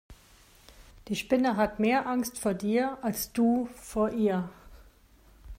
Die Spinne hat mehr Angst vor dir als du vor ihr.